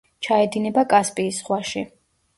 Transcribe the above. ჩაედინება კასპიის ზღვაში.